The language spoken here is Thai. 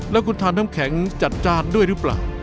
แล้วคุณทานน้ำแข็งจัดจานด้วยหรือเปล่า